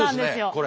これ！